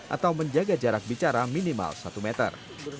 atau menjaga jarak bicara minimal satu meter